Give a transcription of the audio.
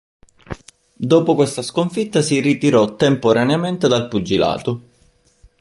Dopo questa sconfitta si ritirò temporaneamente dal pugilato.